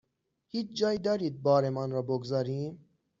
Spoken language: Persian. هیچ جایی دارید بارمان را بگذاریم؟